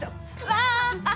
わあ！